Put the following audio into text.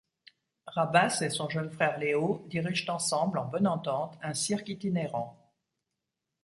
Rabbas et son jeune frère Léo dirigent ensemble, en bonne entente, un cirque itinérant.